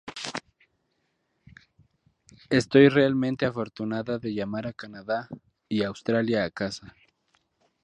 Estoy realmente afortunada de llamar a Canadá y Australia a casa.